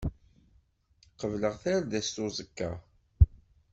Qebleɣ tardast uẓekka.